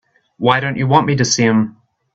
Why don't you want me to see him?